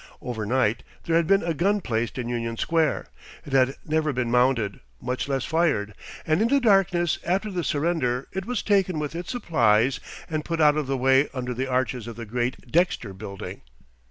Overnight there had been a gun placed in Union Square. It had never been mounted, much less fired, and in the darkness after the surrender it was taken with its supplies and put out of the way under the arches of the great Dexter building.